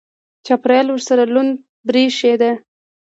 چاپېریال ورسره لوند برېښېده.